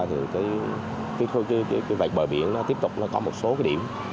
thì cái vạch bờ biển nó tiếp tục là có một số cái điểm